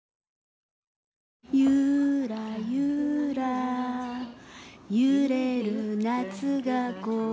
「ゆらゆらゆれる夏が怖い」